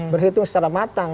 berhitung secara matang